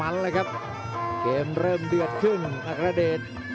ชัมเปียร์ชาเลน์